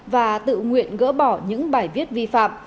và tự nguyện gỡ bỏ những bài viết vi phạm